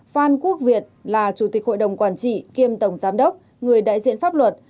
phan quốc việt là chủ tịch hội đồng quản trị kiêm tổng giám đốc người đại diện pháp luật